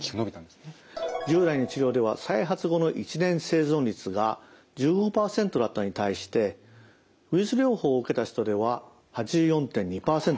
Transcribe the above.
従来の治療では再発後の１年生存率が１５％だったのに対してウイルス療法を受けた人では８４．２％でした。